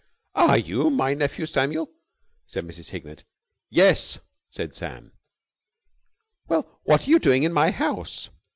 "Are you my nephew Samuel?" said Mrs. Hignett. "Yes," said Sam. "Well, what are you doing in my house?"